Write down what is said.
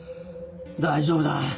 大丈夫だ。